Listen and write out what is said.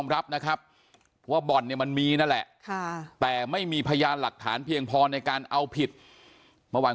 แล้วก็มีนักพนัน